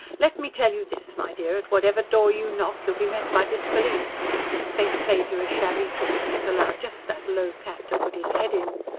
"Let me tell you this, my dear: at whatever door you knock, you'll be met by disbelief. Fate played you a shabby trick when it allowed just that low cad to put his head in.